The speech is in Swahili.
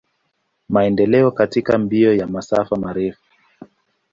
Maendeleo katika mbio ya masafa marefu.